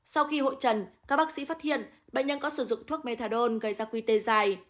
sau khi hộ trần các bác sĩ phát hiện bệnh nhân có sử dụng thuốc methadone gây ra quy tê dài